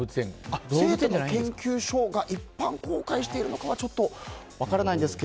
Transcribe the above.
成都の研究所が一般公開しているかはちょっと、分からないんですが。